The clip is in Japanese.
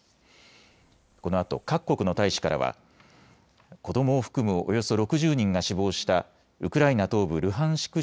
このあと各国の大使からは子どもを含むおよそ６０人が死亡したウクライナ東部ルハンシク